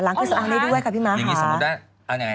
ล้างขึ้นสะอาดได้ด้วยค่ะพี่ม้าค่ะ